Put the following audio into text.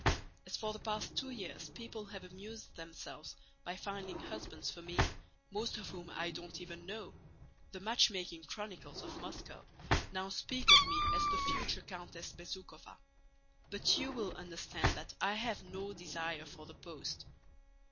As for the past two years people have amused themselves by finding husbands for me (most of whom I don't even know), the matchmaking chronicles of Moscow now speak of me as the future Countess Bezúkhova. But you will understand that I have no desire for the post.